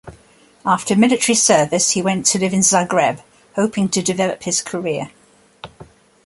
After military service he went to live in Zagreb, hoping to develop his career.